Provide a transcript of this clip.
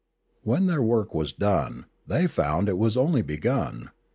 When their work was done, they found it was only begun.